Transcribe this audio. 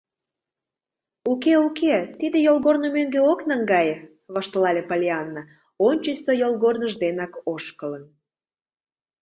— Уке, уке, тиде йолгорно мӧҥгӧ ок наҥгае, — воштылале Поллианна, ончычсо йолгорныж денак ошкылын.